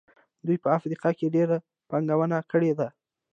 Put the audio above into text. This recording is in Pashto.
دوی په افریقا کې ډېره پانګونه کړې ده.